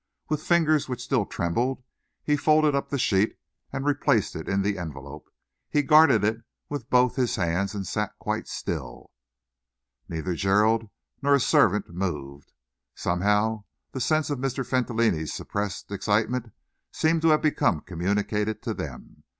With fingers which still trembled, he folded up the sheet and replaced it in the envelope. He guarded it with both his hands and sat quite still. Neither Gerald nor his servant moved. Somehow, the sense of Mr. Fentolin's suppressed excitement seemed to have become communicated to them.